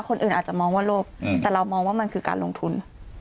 คนอื่นอาจจะมองว่าโลกแต่เรามองว่ามันคือการลงทุน